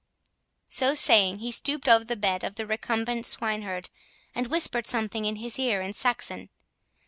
So saying, he stooped over the bed of the recumbent swineherd, and whispered something in his ear in Saxon.